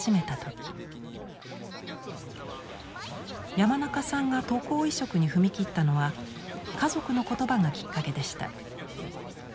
山中さんが渡航移植に踏み切ったのは家族の言葉がきっかけでした。